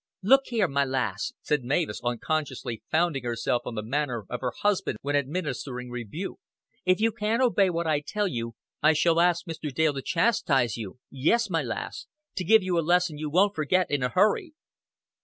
"Look here, my lass," said Mavis, unconsciously founding herself on the manner of her husband when administering rebuke, "if you can't obey what I tell you, I shall ask Mr. Dale to chastise you yes, my lass, to give you a lesson you won't forget in a hurry."